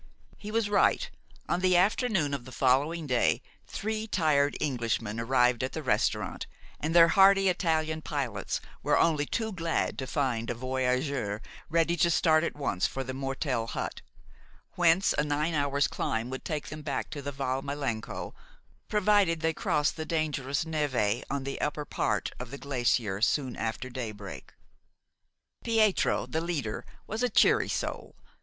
He was right. On the afternoon of the following day, three tired Englishmen arrived at the restaurant, and their hardy Italian pilots were only too glad to find a voyageur ready to start at once for the Mortel hut, whence a nine hours' climb would take them back to the Val Malenco, provided they crossed the dangerous névé on the upper part of the glacier soon after daybreak. Pietro, the leader, was a cheery soul.